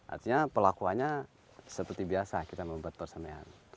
artinya pelakuannya seperti biasa kita membuat persemian